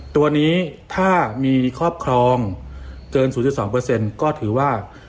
ตัวนี้ถ้ามีครอบครองเกิน๐๒ก็ถือว่า